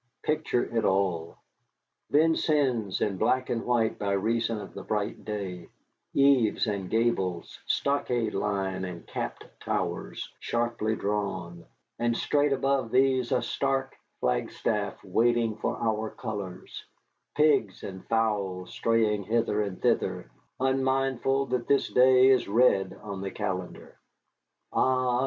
Picture it all: Vincennes in black and white by reason of the bright day; eaves and gables, stockade line and capped towers, sharply drawn, and straight above these a stark flagstaff waiting for our colors; pigs and fowls straying hither and thither, unmindful that this day is red on the calendar. Ah!